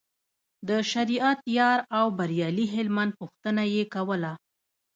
د شریعت یار او بریالي هلمند پوښتنه یې کوله.